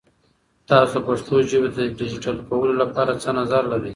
تاسو د پښتو ژبې د ډیجیټل کولو لپاره څه نظر لرئ؟